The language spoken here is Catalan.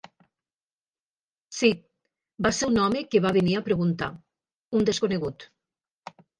Sí, va ser un home que va venir a preguntar, un desconegut.